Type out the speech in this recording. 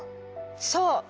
そう！